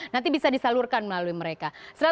nanti bisa disalurkan melalui mereka